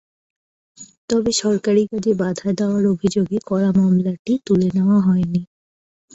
তবে সরকারি কাজে বাধা দেওয়ার অভিযোগে করা মামলাটি তুলে নেওয়া হয়নি।